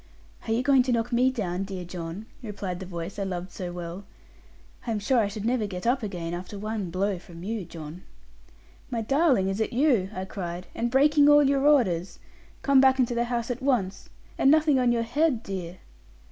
'Are you going to knock me down, dear John?' replied the voice I loved so well; 'I am sure I should never get up again, after one blow from you, John.' 'My darling, is it you?' I cried; 'and breaking all your orders? Come back into the house at once: and nothing on your head, dear!'